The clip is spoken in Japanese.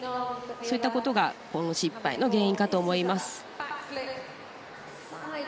そういったことが失敗の原因かと思います。